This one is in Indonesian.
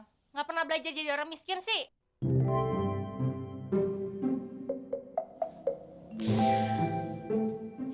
tidak pernah belajar jadi orang miskin sih